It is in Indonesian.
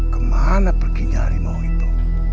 kemana pergi nyari mau itu